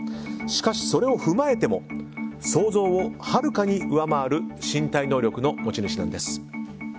しかし、それを踏まえても想像をはるかに上回る身体能力の持ち主なんです。